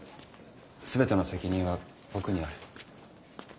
全ての責任は僕にある。